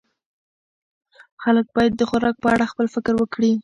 خلک باید د خوراک په اړه خپل فکر وکړي.